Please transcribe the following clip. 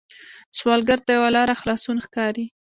سوالګر ته یوه لاره خلاصون ښکاري